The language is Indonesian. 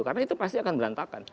karena itu pasti akan berantakan